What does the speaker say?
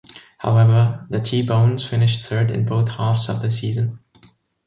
However, the T-Bones finished third in both halves of the season.